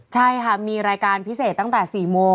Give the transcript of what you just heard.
ใช่ค่ะมีรายการพิเศษตั้งแต่๔โมง